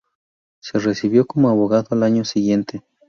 Se recibió como abogado al año siguiente.